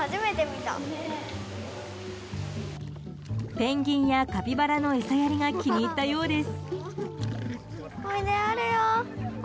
ペンギンやカピバラの餌やりが気に入ったようです。